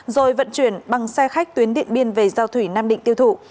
rồi vận chuyển bằng xe khách tuyến điện biên về giao thủy nam định tiêu thụ